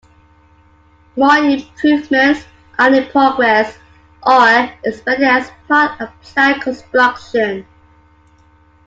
More improvements are in progress or expected as part of planned construction.